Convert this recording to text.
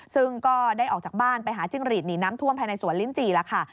ซึ่งก็ได้ออกจากบ้านไปหาจิ้งหลีดหนีน้ำท่วมภายในสวนลิ้นจี่แล้วค่ะ